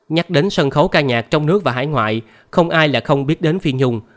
nhắc đến sân khấu ca nhạc trong nước và hải ngoại không ai lại không biết đến phi nhung